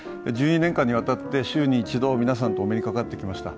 １２年間にわたって週に１度皆さんとお目にかかってきました。